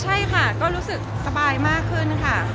ใช่ค่ะก็รู้สึกสบายมากขึ้นค่ะ